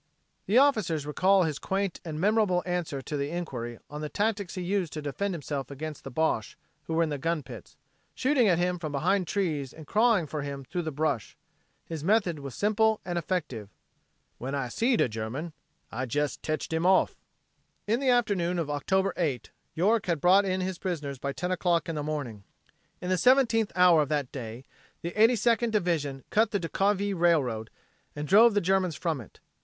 The officers recall his quaint and memorable answer to the inquiry on the tactics he used to defend himself against the Boche who were in the gun pits, shooting at him from behind trees and crawling for him through the brush. His method was simple and effective: "When I seed a German, I jes' tetched him off." In the afternoon of October 8 York had brought in his prisoners by 10 o'clock in the morning in the seventeenth hour of that day, the Eighty Second Division cut the Decauville Railroad and drove the Germans from it.